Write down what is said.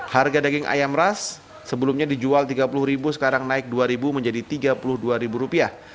harga daging ayam ras sebelumnya dijual rp tiga puluh sekarang naik rp dua menjadi rp tiga puluh dua